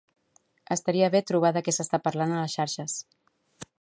Estaria bé trobar de què s'està parlant a les xarxes.